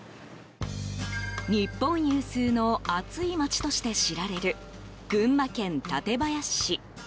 日本有数の暑い街として知られる、群馬県館林市。